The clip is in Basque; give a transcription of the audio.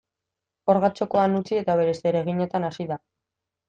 Orga txokoan utzi eta bere zereginetan hasi da.